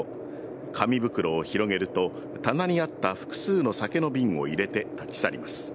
紙袋を広げると、棚にあった複数の酒の瓶を入れて、立ち去ります。